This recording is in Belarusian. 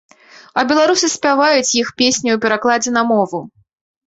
А беларусы спяваюць іх песню ў перакладзе на мову.